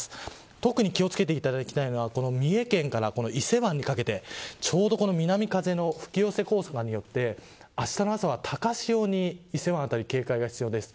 特に気を付けていただきたいのはこの三重県から伊勢湾にかけてちょうど南風が吹き寄せによってあしたの朝は高潮に、伊勢湾はとりわけ注意が必要です。